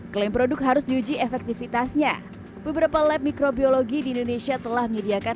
klaim produk harus diuji efektivitasnya beberapa lab mikrobiologi di indonesia telah menyediakan